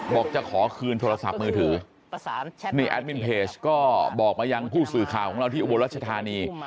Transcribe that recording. บอกจะขอคืนโทรศัพท์มือถือนี่แอดมินเพจก็บอกมายังผู้สื่อข่าวของเราที่อุบลรัชธานี